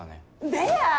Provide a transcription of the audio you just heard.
ベア！？